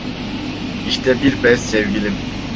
İşte bir bez sevgilim!